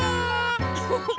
フフフ。